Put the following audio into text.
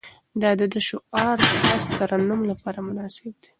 د ده اشعار د مست ترنم لپاره مناسب دي.